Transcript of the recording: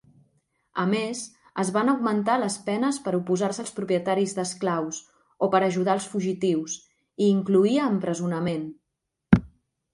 A més, es van augmentar les penes per oposar-se als propietaris d'esclaus o per ajudar els fugitius, i incloïa empresonament.